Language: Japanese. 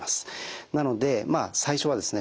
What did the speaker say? なので最初はですね